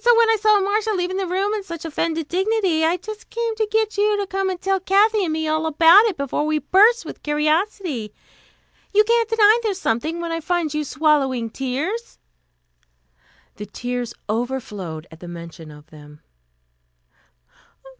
So when I saw Marcia leaving the room in such offended dignity, I just came to get you to come and tell Kathy and me all about it before we burst with curiosity. You can't deny there's something, when I find you swallowing tears " The tears overflowed at the mention of them.